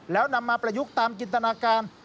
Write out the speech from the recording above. แล้วนำมาประยุกต์ตามจินตนาการ